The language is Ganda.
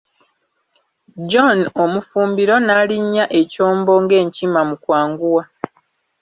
John, omufumbiro, n'alinnya ekyombo ng'enkima mu kwanguwa.